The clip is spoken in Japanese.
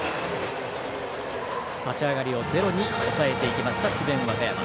立ち上がりをゼロに抑えていきました智弁